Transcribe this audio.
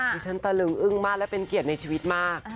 ที่ฉันตะลึงอึ้งมากและเป็นเกียรติในชีวิตมาก